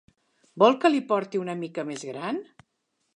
Vol que li'n porti una mica més gran?